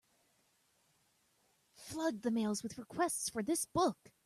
Flood the mails with requests for this book.